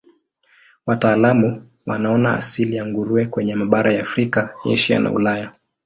Wataalamu wanaona asili ya nguruwe kwenye mabara ya Afrika, Asia na Ulaya.